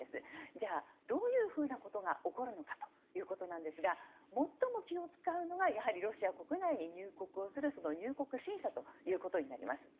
じゃあ、どんなことが起こるのかということですが最も気を使うのがロシア国内に入国をする入国審査ということになります。